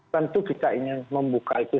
tentu kita ingin membuka itu